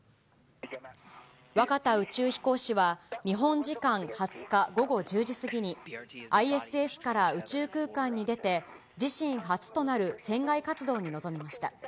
若田宇宙飛行士は、日本時間２０日午後１０時過ぎに、ＩＳＳから宇宙空間に出て、自身初となる船外活動に臨みました。